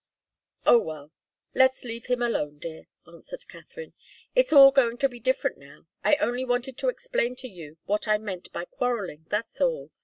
"Oh, well let's leave them alone, dear," answered Katharine. "It's all going to be so different now. I only wanted to explain to you what I meant by quarrelling, that's all.